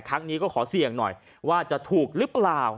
ครั้งนี้ก็ขอเสี่ยงหน่อยว่าจะถูกหรือเปล่า